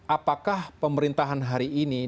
apakah pemerintahan hari ini